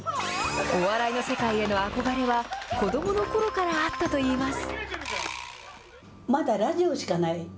お笑いの世界への憧れは、子どものころからあったといいます。